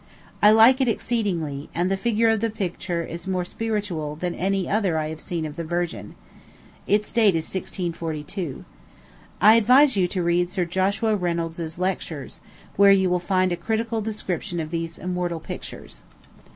I like it exceedingly; and the figure of the picture is more spiritual than any other I have seen of the Virgin. Its date is 1642. I advise you to read Sir Joshua Reynolds's Lectures, where you will find a critical description of these immortal pictures.